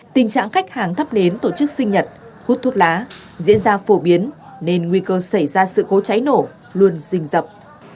tình trạng khách hàng thắp nến tổ chức sinh nhật hút thuốc lá diễn ra phổ biến nên nguy cơ xảy ra sự cố cháy nổ luôn rình dập